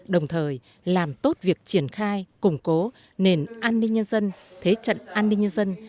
đồng thời làm tốt việc triển khai củng cố nền an ninh nhân dân thế trận an ninh nhân dân